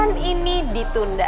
pernikahan ini ditunda